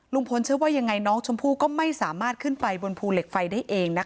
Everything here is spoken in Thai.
เชื่อว่ายังไงน้องชมพู่ก็ไม่สามารถขึ้นไปบนภูเหล็กไฟได้เองนะคะ